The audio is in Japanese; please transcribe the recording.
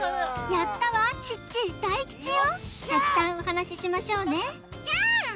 やったわチッチ大吉よたくさんお話ししましょうねキュン！